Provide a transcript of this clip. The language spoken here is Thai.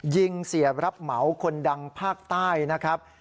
ยิงเสียรับเหมาคนดังภาคใต้นะครับ